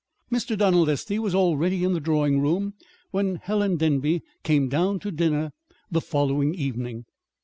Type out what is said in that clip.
Mr. Donald Estey was already in the drawing room when Helen Denby came down to dinner the following evening.